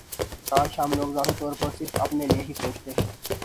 کاش ہم لوگ ذاتی طور پر صرف اپنے لیے ہی سوچتے ہیں